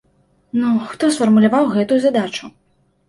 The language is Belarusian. Ну, хто сфармуляваў гэтую задачу?!